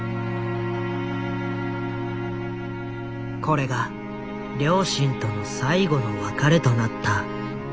これが両親との最後の別れとなった。